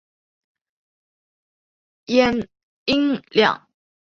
阆音两。